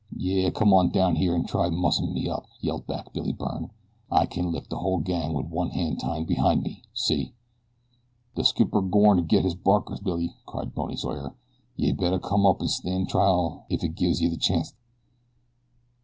"Yeh come on down here, an' try mussin' me up," yelled back Billy Byrne. "I can lick de whole gang wit one han' tied behin' me see?" "De skipper's gorn to get his barkers, Billy," cried Bony Sawyer. "Yeh better come up an' stan' trial if he gives yeh the chanct."